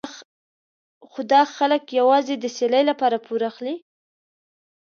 خو دا خلک یوازې د سیالۍ لپاره پور اخلي.